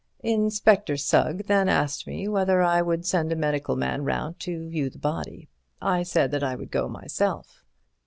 "Inspector Sugg then asked me whether I would send a medical man round to view the body. I said that I would go myself."